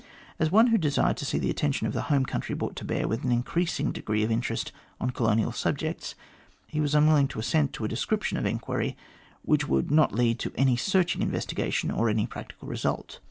As one who desired to see the attention of the home country brought to bear with an increasing degree of interest on colonial subjects, he was unwilling to assent to a descrip tion of enquiry which would not lead to any searching investigation or to any practical result.